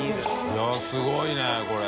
いすごいねこれ。